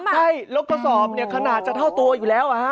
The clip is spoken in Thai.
ใช่เพราะว่าตัวสอบเนี่ยขนาดจะเท่าตัวอยู่แล้วฮะ